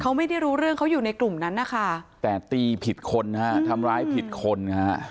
เขาไม่ได้รู้เรื่องเขาอยู่ในกลุ่มนั้นนะคะแต่ตีผิดคนฮะทำร้ายผิดคนฮะ